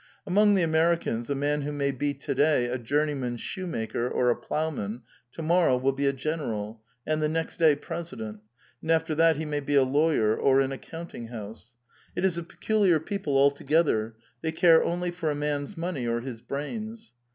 Among the Americans, a man who may be to day a journeyman shoe maker, or a plowman, to morrow will be a general, and the next day president ; and after that he may be a lawyer, or in a counting house. It is a peculiar people altogether ; they care only for a man's money or his brains.